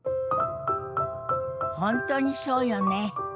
本当にそうよね。